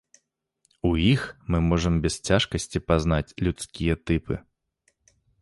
У іх мы можам без цяжкасці пазнаць людскія тыпы.